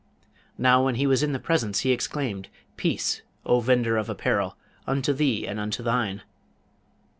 Now, when he was in the presence, he exclaimed, 'Peace, O vendor of apparel, unto thee and unto thine!'